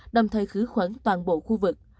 đồng thời khứ khuẩn toàn bộ khu vực